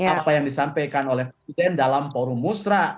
apa yang disampaikan oleh presiden dalam forum musra